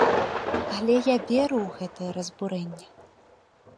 Але я веру ў гэтае разбурэнне!